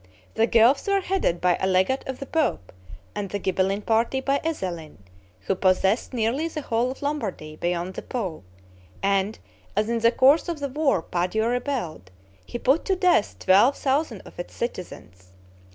The Guelphs were headed by a legate of the pope; and the Ghibelline party by Ezelin, who possessed nearly the whole of Lombardy beyond the Po; and, as in the course of the war Padua rebelled, he put to death twelve thousand of its citizens.